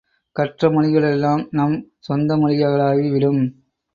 கற்ற மொழிகளெல்லாம் நம் சொந்த மொழிகளாகி விடும்.